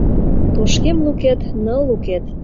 Тошкем лукет — ныл лукет